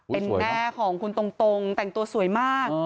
เป็นแม่ของคุณตรงแต่งตัวสวยมาก